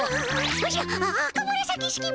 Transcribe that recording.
おじゃあ赤紫式部。